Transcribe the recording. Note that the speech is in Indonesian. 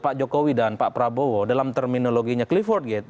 pak jokowi dan pak prabowo dalam terminologinya clifford gate